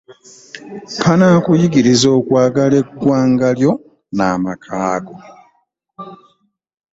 Kanaakuyigiriza okwagala eggwanga lyo n'amaka go.